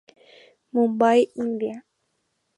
Mumbai, India.